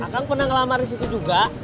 kang pernah ngelamar di situ juga